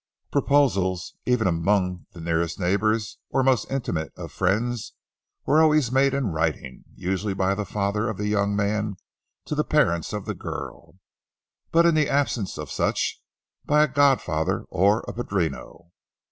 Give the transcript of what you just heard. Proposals, even among the nearest of neighbors or most intimate of friends, were always made in writing, usually by the father of the young man to the parents of the girl, but in the absence of such, by a godfather or padrino.